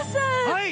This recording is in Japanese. はい！